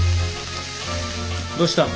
どうした？